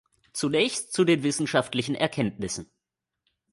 Zunächst zu den wissenschaftlichen Erkenntnissen.